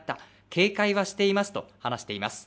警戒はしていますと話しています。